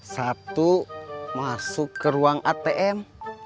satu masuk ke ruang atm